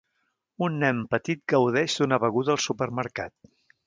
Un nen petit gaudeix d'una beguda al supermercat.